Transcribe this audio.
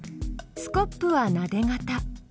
スコップはなでがた。